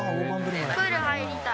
プール入りたい。